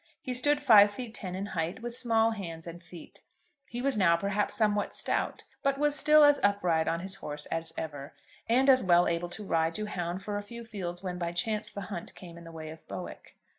He stood five feet ten in height, with small hands and feet. He was now perhaps somewhat stout, but was still as upright on his horse as ever, and as well able to ride to hounds for a few fields when by chance the hunt came in the way of Bowick.